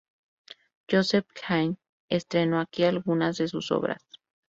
Joseph Haydn estrenó aquí algunas de sus obras.